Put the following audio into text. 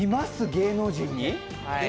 芸能人に。